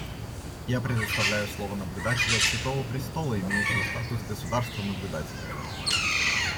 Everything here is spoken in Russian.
Я предоставляю слово наблюдателю от Святого Престола, имеющего статус государства-наблюдателя.